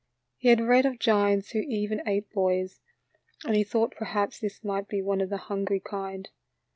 69 He had read of giants who even ate boys, and he thought perhaps this might be one of the hungry kind.